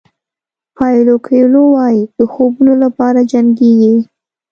پاویلو کویلو وایي د خوبونو لپاره جنګېږئ.